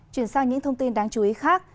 chuyển sang những thông tin đáng chú ý khác